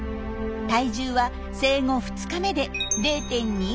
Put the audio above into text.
体重は生後２日目で０．２５ｇ。